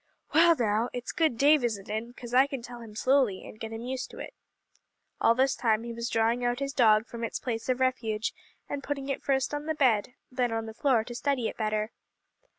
"Well, now, it's good Dave isn't in, 'cause I can tell him slowly, and get him used to it." All this time he was drawing out his dog from its place of refuge, and putting it first on the bed, then on the floor, to study it better.